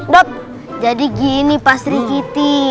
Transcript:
dot jadi gini pak sri kiti